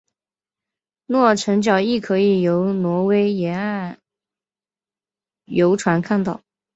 诺尔辰角亦可以由挪威沿岸游船看到。